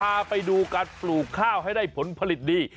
พาไปดูการปลูกข้าวให้ได้ผลผลิตดี